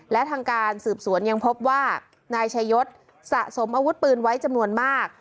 และทางการสืบสวนยังพบว่านายชายศสะสมอาวุธปืนไว้จำนวนมาก